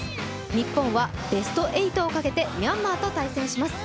日本はベスト８をかけてミャンマーと対戦します。